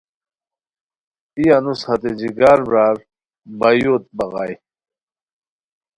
ای انوس ہتے جگر برار بایووت بغائے